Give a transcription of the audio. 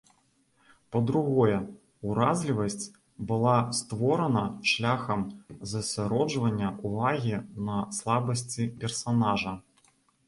Па-другое, уразлівасць была створана шляхам засяроджвання ўвагі на слабасці персанажа.